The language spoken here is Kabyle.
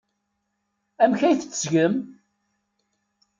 Amek ay t-tettgem?